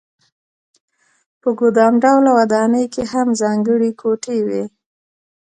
په ګدام ډوله ودانۍ کې هم ځانګړې کوټې وې.